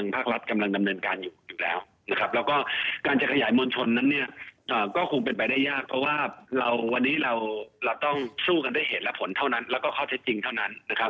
เพราะฉะนั้นได้เหตุและผลเท่านั้นแล้วก็ข้อเท็จจริงเท่านั้น